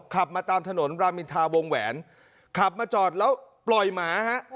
ขับมาตามถนนรามินทาวงแหวนขับมาจอดแล้วปล่อยหมาฮะ